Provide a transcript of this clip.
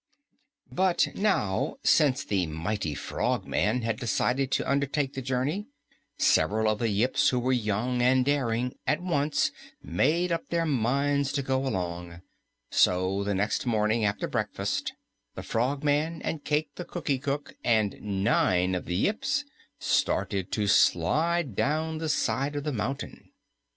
But now, since the mighty Frogman had decided to undertake the journey, several of the Yips who were young and daring at once made up their minds to go along, so the next morning after breakfast the Frogman and Cayke the Cookie Cook and nine of the Yips started to slide down the side of the mountain.